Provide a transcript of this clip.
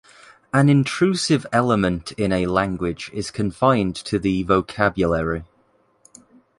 An intrusive element in a language is confined to the vocabulary.